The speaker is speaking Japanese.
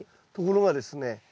ところがですね